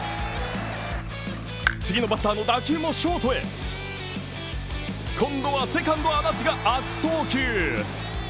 次のバッターの打球もショートへ今度はセカンド安達が悪送球。